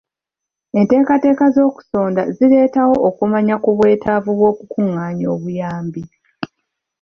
Enteekateeka z'okusonda zireetawo okumanya ku bwetaavu bw'okukungaanya obuyambi.